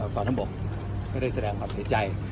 ก่อนทั้งหมดก็ได้แสดงความเสียใจ